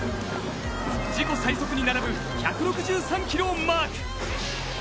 自己最速に並ぶ１６３キロをマーク。